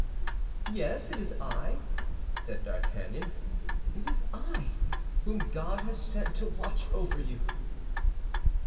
"Yes, it is I," said D'Artagnan, "it is I, whom God has sent to watch over you."